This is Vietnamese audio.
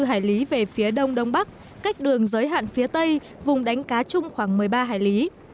hải lý về phía đông đông bắc cách đường giới hạn phía tây vùng đánh cá chung khoảng một mươi ba hải lý